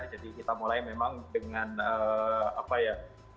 jadi kita mulai memang dengan apa ya